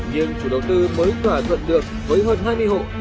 nhưng chủ đầu tư mới thỏa thuận được với hơn hai mươi hộ